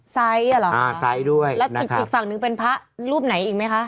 ไซด์เหรอครับอ่าไซด์ด้วยนะครับแล้วอีกฝั่งนึงเป็นพระรูปไหนอีกไหมคะ